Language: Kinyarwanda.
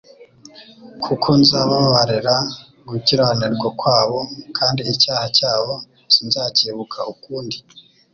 Kuko nzababarira gukiranirwa kwabo, kandi icyaha cyabo sinzacyibuka ukundi'°.»